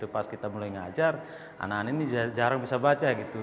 pas kita mulai mengajar anak anak ini jarang bisa membaca